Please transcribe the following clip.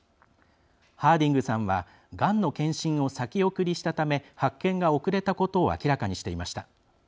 ハーディングさんはがんの検診を先送りしたため発見が遅れたことを明らかにしていました。